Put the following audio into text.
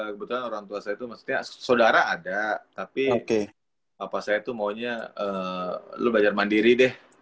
kebetulan orang tua saya itu maksudnya saudara ada tapi apa saya tuh maunya lu belajar mandiri deh